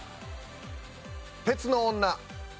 鉄の女。